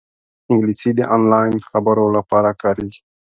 انګلیسي د آنلاین خبرو لپاره کارېږي